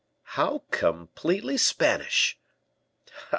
"How completely Spanish!"